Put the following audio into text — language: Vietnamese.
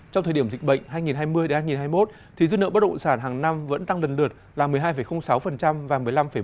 trong thời điểm dịch bệnh hai nghìn hai mươi hai nghìn hai mươi một dư nợ bất động sản hàng năm vẫn tăng lần lượt là một mươi hai sáu và một mươi năm bảy